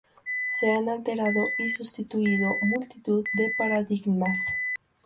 Se han alterado y sustituido multitud de paradigmas.